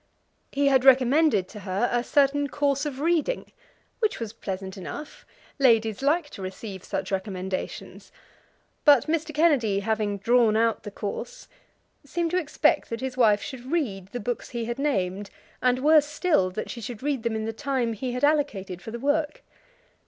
He had recommended to her a certain course of reading, which was pleasant enough; ladies like to receive such recommendations; but Mr. Kennedy, having drawn out the course, seemed to expect that his wife should read the books he had named, and, worse still, that she should read them in the time he had allocated for the work.